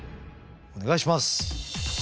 お願いします。